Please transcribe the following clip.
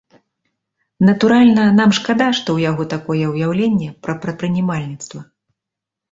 Натуральна, нам шкада, што ў яго такое ўяўленне пра прадпрымальніцтва.